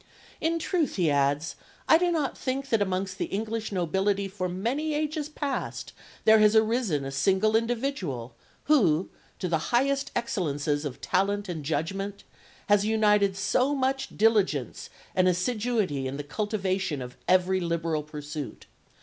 "In truth," he adds, "I do not think that amongst the English nobility for many ages past there has arisen a single individual who, to the highest excellences of talent and judgment, has united so much diligence and assiduity in the cultivation of every liberal pursuit....